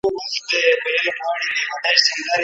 راځی چي وشړو له خپلو کلیو